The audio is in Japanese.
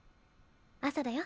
朝だよ。